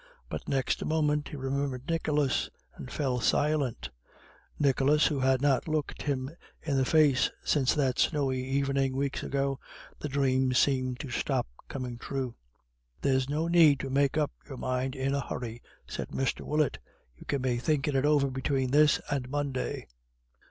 But next moment he remembered Nicholas, and fell silent; Nicholas, who had not looked him in the face since that snowy evening weeks ago. The dream seemed to stop coming true. "There's no need to make up your mind in a hurry," said Mr. Willett, "you can be thinking it over between this and Monday."